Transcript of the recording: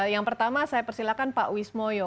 yang pertama saya persilakan pak wismoyo